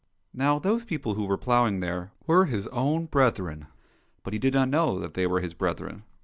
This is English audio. Now those people who were ploughing there were his own brethren, but he did not know that they were his brethren.